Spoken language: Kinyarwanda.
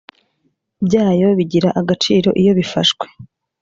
Byayo bigira agaciro iyo bifashwe